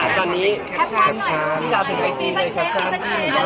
ตอนนี้ชับชั้น